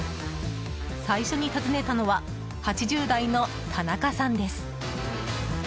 最初に訪ねたのは８０代の田中さんです。